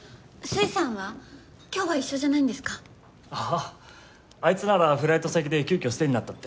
あああいつならフライト先で急きょステイになったって。